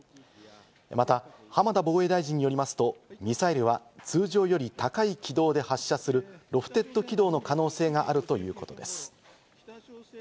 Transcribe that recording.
また浜田防衛大臣によりますと、ミサイルは通常より高い軌道で発射するロフテッド軌道の可能性があるということです。